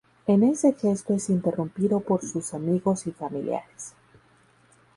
En ese gesto es interrumpido por sus amigos y familiares.